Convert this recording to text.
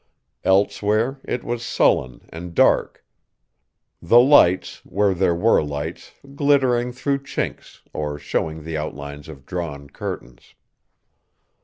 Elsewhere it was sullen and dark, the lights, where there were lights, glittering through chinks, or showing the outlines of drawn curtains.